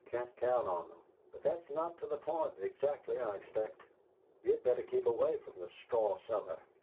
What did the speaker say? You can't count on them. But that's not to the point, exactly, I expect. You'd better keep away from the 'Straw Cellar.'